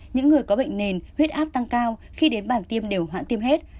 những người có bệnh nền huyết áp tăng cao khi đến bản tiêm đều hoãn tiêm hết